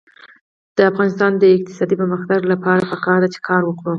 د افغانستان د اقتصادي پرمختګ لپاره پکار ده چې کار وکړو.